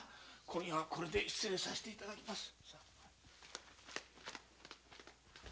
今夜はこれで失礼させていただきます。